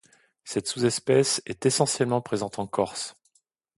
Cette sous-espèce est essentiellement présente en Corse.